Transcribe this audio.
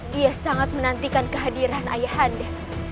dia sangat menantikan kehadiran ayah anda